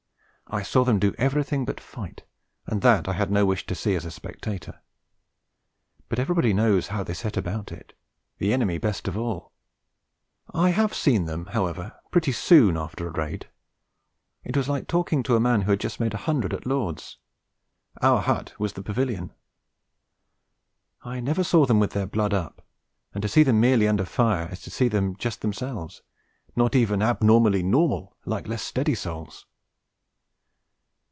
I saw them do everything but fight, and that I had no wish to see as a spectator; but everybody knows how they set about it, the enemy best of all. I have seen them, however, pretty soon after a raid: it was like talking to a man who had just made a hundred at Lord's: our hut was the Pavilion. I never saw them with their blood up, and to see them merely under fire is to see them just themselves not even abnormally normal like less steady souls.